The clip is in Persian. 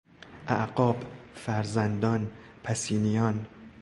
اعقاب، فرزندان، پسینیان